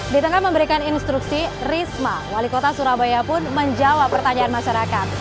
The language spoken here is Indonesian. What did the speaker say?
di tengah memberikan instruksi risma wali kota surabaya pun menjawab pertanyaan masyarakat